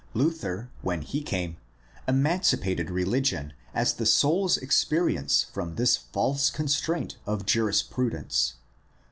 Luther, when he came, emancipated religion as the soul's experience from this false constraint of jurisprudence.